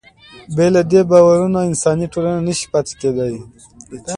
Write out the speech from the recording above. بې له دې باورونو انساني ټولنه نهشي پاتې کېدی.